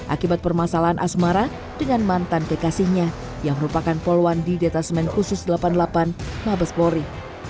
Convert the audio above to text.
akibat permasalahan asmara dengan mantan kekasihnya yang merupakan poluan di detasemen khusus delapan puluh delapan mabes polri